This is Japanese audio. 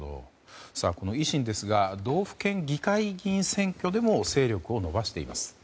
維新ですが道府県議会議員選挙でも勢力を伸ばしています。